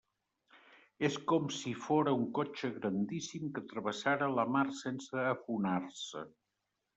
És com si fóra un cotxe grandíssim que travessara la mar sense afonar-se.